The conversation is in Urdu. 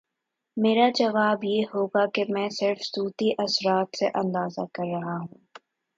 میرا جواب یہ ہو گا کہ میں صرف صوتی اثرات سے اندازہ کر رہا ہوں۔